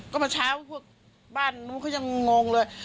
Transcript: ก็มาเช้าพวกบ้านมันก็ยังงงเลย